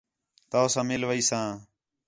تؤ ساں مِل ویساں